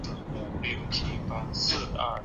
建筑材料以砖为多见。